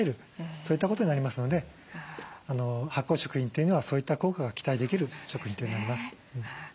そういったことになりますので発酵食品というのはそういった効果が期待できる食品となります。